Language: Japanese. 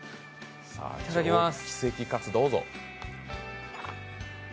いただきます。